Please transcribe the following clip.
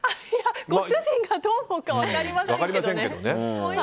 ご主人がどう思うかは分かりませんけどね。